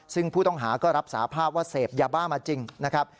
ซึ่งผู้ต้องหาก็รับสาภาพว่าเสพยาบ้ามาจริงนะครับ